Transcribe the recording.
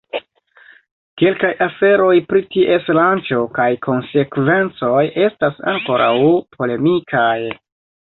Kelkaj aferoj pri ties lanĉo kaj konsekvencoj estas ankoraŭ polemikaj.